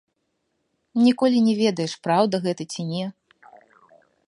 Ніколі не ведаеш, праўда гэта ці не.